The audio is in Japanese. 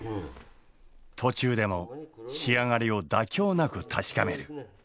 途中でも仕上がりを妥協なく確かめる。